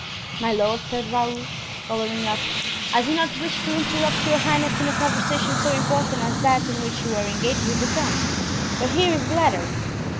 "My lord," said Raoul, coloring up, "I did not wish to interrupt your highness in a conversation so important as that in which you were engaged with the count. But here is the letter."